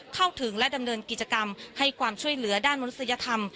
เข้าถึงและดำเนินกิจกรรมให้ความช่วยเหลือด้านมนุษยธรรม